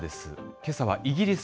けさはイギリス。